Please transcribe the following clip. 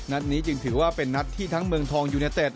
นัดนี้จึงถือว่าเป็นนัดที่ทั้งเมืองทองยูเนเต็ด